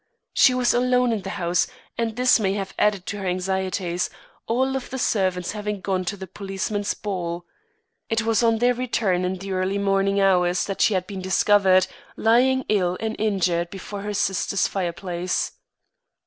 She was alone in the house and this may have added to her anxieties, all of the servants having gone to the policemen's ball. It was on their return in the early morning hours that she had been discovered, lying ill and injured before her sister's fireplace.